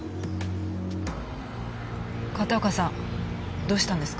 片岡さんどうしたんですか？